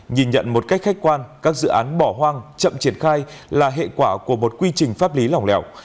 nhìn nhận một cách khách quan các dự án bỏ hoang chậm triển khai là hệ quả của một quy trình pháp lý lỏng lẻo